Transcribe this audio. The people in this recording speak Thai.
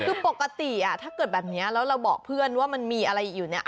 คือปกติถ้าเกิดแบบนี้แล้วเราบอกเพื่อนว่ามันมีอะไรอยู่เนี่ย